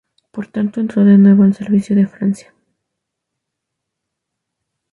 Por tanto entró de nuevo al servicio de Francia.